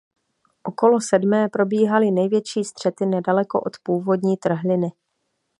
Okolo sedmé probíhaly největší střety nedaleko od původní trhliny.